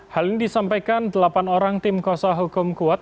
hal ini disampaikan delapan orang tim kuasa hukum kuat